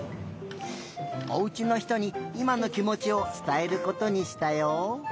おうちのひとにいまのきもちをつたえることにしたよ。